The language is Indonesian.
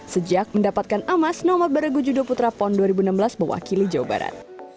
sejak mendapatkan amas nomad baragu judo putra pond dua ribu enam belas berwakili jawa barat